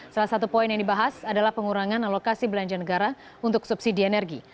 salah satu poin yang dibahas adalah pengurangan alokasi belanja negara untuk subsidi energi